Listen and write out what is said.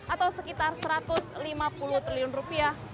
atau sekitar satu ratus lima puluh triliun rupiah